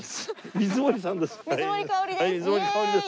水森さんです。